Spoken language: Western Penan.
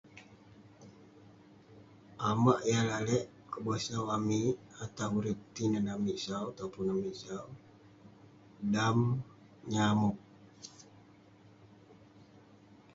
Amak yah lalek kebosau amik, atah urip tinen amik sau, topun amik sau ; dam nyamog.